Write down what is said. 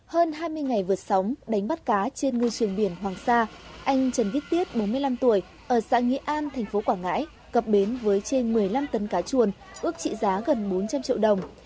hơn hai mươi ngày vượt sóng đánh bắt cá trên ngư trường biển hoàng sa anh trần viết tiết bốn mươi năm tuổi ở xã nghĩa an thành phố quảng ngãi cập bến với trên một mươi năm tấn cá chuồn ước trị giá gần bốn trăm linh triệu đồng